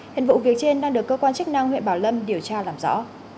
hiện vụ việc trên đang được cơ quan chức năng huyện bảo lâm điều tra làm rõ